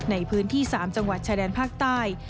ในพื้นที่๓จังหวัดชายแดนภาคใต้